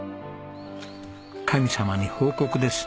神様に報告です。